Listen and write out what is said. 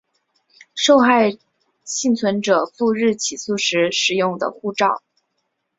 受害幸存者赴日起诉时使用的护照